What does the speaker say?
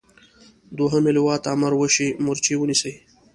دوهمې لواء ته امر وشي مورچې ونیسي.